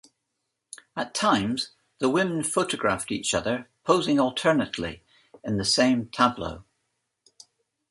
At times, the women photographed each other posing alternately in the same tableau.